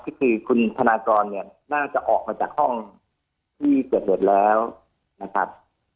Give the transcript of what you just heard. คือคุณพนากรน่าจะออกมาจากห้องที่เก็บเหลือแล้วนะครับ